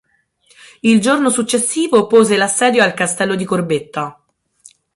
Il giorno successivo pose l'assedio al castello di Corbetta.